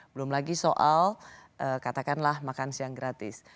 belum lagi soal katakanlah makan siang gratis